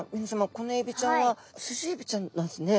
このエビちゃんはスジエビちゃんなんですね。